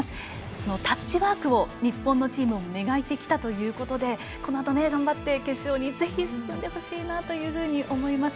そのタッチワークを日本のチーム磨いてきたということでこのあと頑張って決勝にぜひ進んでほしいと思います。